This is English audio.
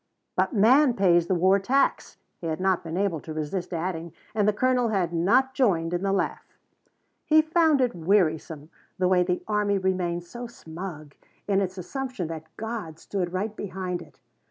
"But man pays the war tax," he had not been able to resist adding, and the Colonel had not joined in the laugh. He found it wearisome the way the army remained so smug in its assumption that God stood right behind it.